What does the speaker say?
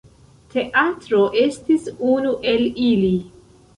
Teatro estis unu el ili.